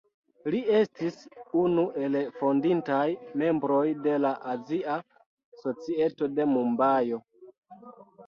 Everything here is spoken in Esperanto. Li estis unu el fondintaj membroj de la Azia Societo de Mumbajo.